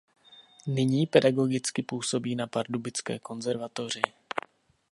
Nyní pedagogicky působí na pardubické konzervatoři.